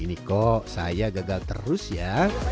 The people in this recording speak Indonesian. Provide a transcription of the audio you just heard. ini kok saya gagal terus ya